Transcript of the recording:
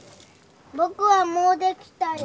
僕はもうできたよ。